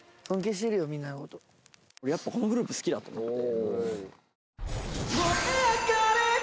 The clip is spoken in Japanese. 俺やっぱこのグループ好きだと思って。